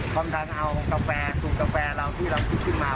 ความทันโกรธกาแฟสูงกาแฟที่เราคิดคืนมา